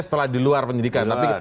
setelah di luar penyidikan